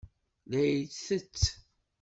La itett.